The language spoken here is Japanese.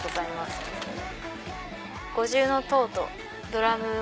五重の塔とドラムを。